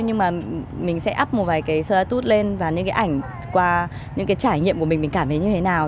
nhưng mình sẽ up một vài status lên và những ảnh qua những trải nghiệm của mình mình cảm thấy như thế nào